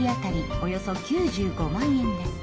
およそ９５万円です。